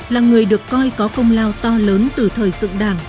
là người được coi có công lao to lớn từ thời dựng đảng